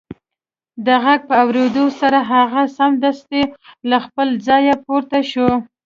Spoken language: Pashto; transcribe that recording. د غږ په اورېدو سره هغه سمدلاسه له خپله ځايه پورته شو